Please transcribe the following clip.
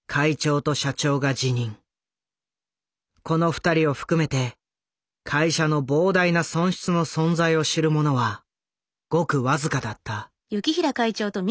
この２人を含めて会社の膨大な損失の存在を知る者はごく僅かだった。